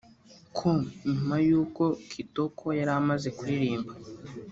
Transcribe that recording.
com nyuma y’uko Kitoko yari amaze kuririmba